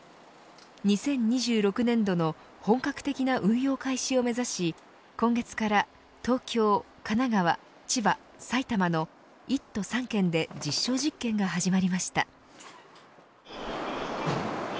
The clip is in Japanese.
２０２６年度の本格的な運用開始を目指し今月から東京、神奈川千葉、埼玉の１都３県で実証実験が始まりました。